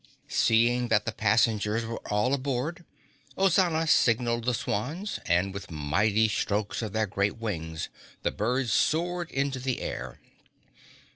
Seeing that the passengers were all aboard, Ozana signaled the swans, and with mighty strokes of their great wings the birds soared into the air.